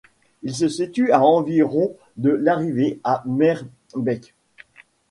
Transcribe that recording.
Il se situe à environ de l'arrivée à Meerbeke.